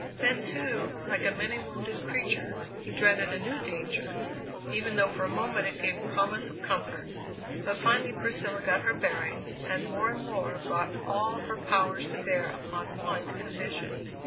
Then, too, like a many wounded creature, he dreaded a new danger, even though for a moment it gave promise of comfort. But finally Priscilla got her bearings and more and more brought all her powers to bear upon one ambition.